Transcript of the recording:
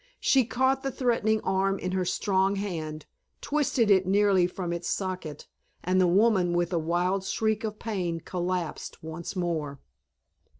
She caught the threatening arm in her strong hand, twisted it nearly from its socket, and the woman with a wild shriek of pain collapsed once more.